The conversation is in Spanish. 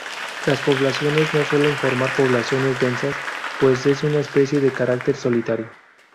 Las poblaciones no suelen formar poblaciones densas, pues es una especie de carácter solitario.